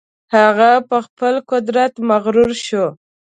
هغه په خپل قدرت مغرور شو.